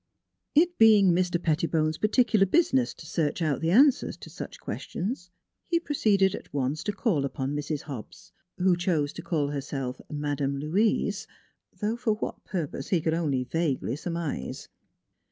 IT being Mr. Pettibone's particular business to search out the answer to such questions, he proceeded at once to call upon Mrs. Hobbs, who chose to call herself " Madame Louise " though for what purpose he could only vaguely surmise.